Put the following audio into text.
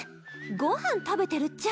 ご飯食べてるっちゃ。